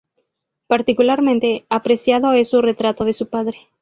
Particularmente apreciado es su retrato de su padre.